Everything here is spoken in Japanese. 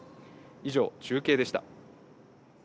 以上、中継でした。